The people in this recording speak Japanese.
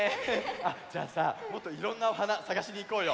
あじゃあさもっといろんなおはなさがしにいこうよ！